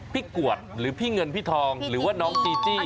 กวดหรือพี่เงินพี่ทองหรือว่าน้องจีจี้